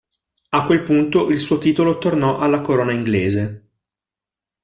A quel punto il suo titolo tornò alla corona inglese.